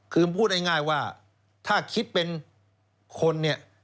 คือพูดง่ายว่าถ้าคิดเป็นคนเนี่ย